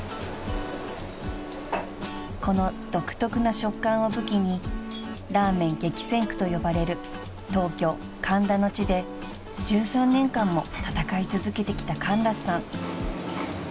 ［この独特な食感を武器にラーメン激戦区と呼ばれる東京神田の地で１３年間も戦い続けてきたカンラスさん］